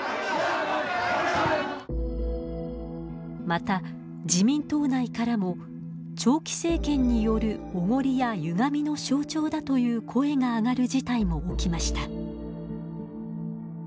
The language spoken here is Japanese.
また、自民党内からも長期政権によるおごりやゆがみの象徴だという声が上がる事態も起きました。